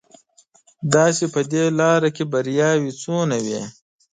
دا چې په دې لاره کې بریاوې څومره وې.